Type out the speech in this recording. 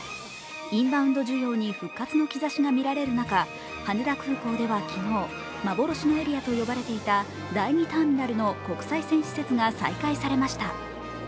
インバウンド需要に復活の兆しが見られる中、羽田空港では昨日幻のエリアと呼ばれていた第２ターミナルの国際線施設が再開されました。